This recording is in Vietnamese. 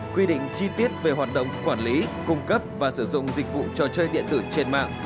quy định chi tiết về hoạt động quản lý cung cấp và sử dụng dịch vụ trò chơi điện tử trên mạng